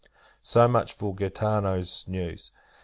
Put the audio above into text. So much for Gaetano's news.